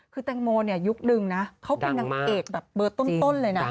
คือแตงโมเนี่ยยุคนึงนะเขาเป็นนางเอกแบบเบอร์ต้นเลยนะ